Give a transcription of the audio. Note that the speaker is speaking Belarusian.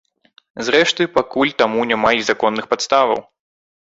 Зрэшты, пакуль таму няма й законных падставаў.